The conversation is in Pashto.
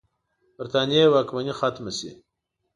برټانیې واکمني ختمه شي.